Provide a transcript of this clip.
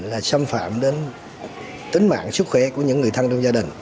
là xâm phạm đến tính mạng sức khỏe của những người thân trong gia đình